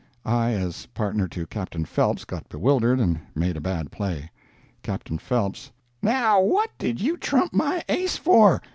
(I, as partner to Captain Phelps, got bewildered, and made a bad play.) Captain Phelps—"Now what did you trump my ace for?